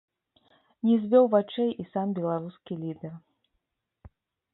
Не звёў вачэй і сам беларускі лідэр.